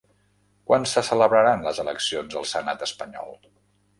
Quan se celebraran les eleccions al senat espanyol?